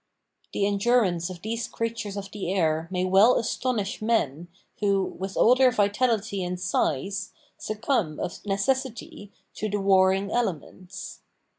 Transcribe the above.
The endurance of these creatures of the air may well astonish men, who, with all their vitality and size, succumb, of necessity, to the warring elements.